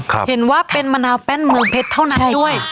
เห็นว่าเป็นมะนาวแป้นเมืองเพชรเท่านั้นด้วย